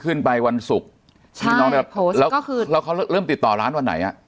ขึ้นไปวันศุกร์ใช่แล้วแล้วเขาเริ่มติดต่อร้านวันไหนอ่ะ